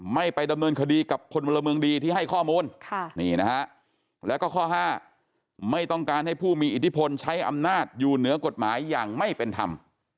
๕ไม่ต้องการให้ผู้มีอิทธิพลใช้อำนาจอยู่เหนือกฎหมายอย่างไม่เป็นธรรม